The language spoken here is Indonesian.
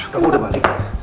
kamu udah balik